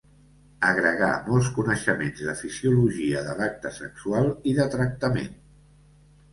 Agregar molts coneixements de fisiologia de l'acte sexual i de tractament.